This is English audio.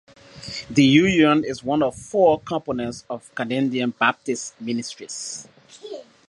The union is one of four components of Canadian Baptist Ministries.